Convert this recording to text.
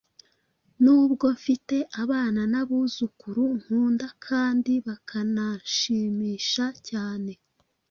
Nubwo mfite abana n’abuzukuru nkunda kandi bakananshimisha cyane,